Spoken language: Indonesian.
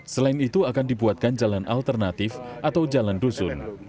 selain itu akan dibuatkan jalan alternatif atau jalan dusun